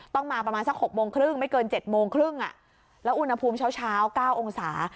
ต้องมาประมาณสัก๖โมงครึ่งไม่เกิน๗โมงครึ่งแล้วอุณหภูมิเช้าเช้า๙องศา